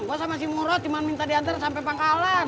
gua sama si murot cuma minta diantar sampai pangkalan